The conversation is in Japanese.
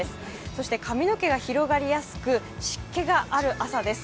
そして髪の毛が広がりやすく湿気がある朝です。